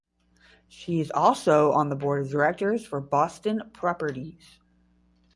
She is also on the board of directors for Boston Properties.